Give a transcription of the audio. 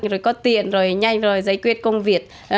rồi có tiền rồi nhanh rồi giải quyết công việc